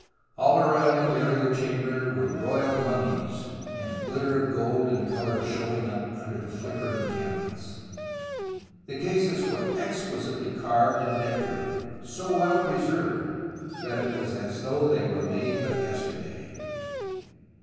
All around the burial chamber were royal mummies, the ghtter of gold and colour showing up under the flickering candles. The cases were exquisitely carved and decorated, so well preserved that it was as though they were made but yesterday.